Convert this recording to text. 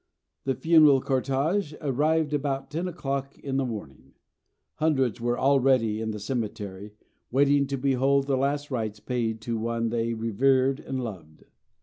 The funeral cortége arrived about ten o'clock in the morning; hundreds were already in the cemetery, waiting to behold the last rites paid to one they revered and loved.